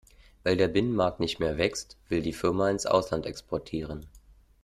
Weil der Binnenmarkt nicht mehr wächst, will die Firma ins Ausland exportieren.